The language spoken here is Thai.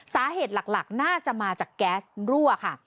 สาเหตุหลักน่าจะมาจากแก๊สรั่วค่ะ